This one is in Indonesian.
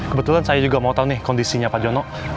kebetulan saya juga mau tahu nih kondisinya pak jono